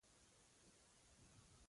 خوب ناروا و.